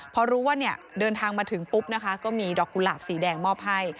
พอรู้ว่าเนี่ยเดินทางมาถึงปุ๊บนะคะก็มีดอกกุหลาบสีแดงมอบให้